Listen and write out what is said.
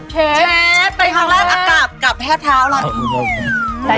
เชฟที่หลังหน้ากราบกับแคลียคราสเท้า